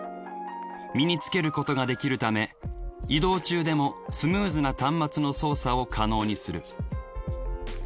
身につけることができるため移動中でもスムーズな端末の操作を可能にする。